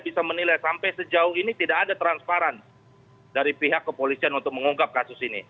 bisa menilai sampai sejauh ini tidak ada transparan dari pihak kepolisian untuk mengungkap kasus ini